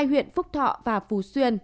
hai huyện phúc thọ và phú xuyên